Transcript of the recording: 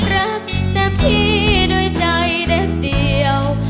รักแต่พี่โดยใจเด็กเดียว